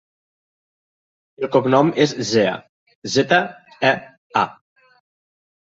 El cognom és Zea: zeta, e, a.